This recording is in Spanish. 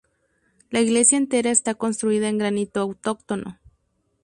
La iglesia entera está construida en granito autóctono.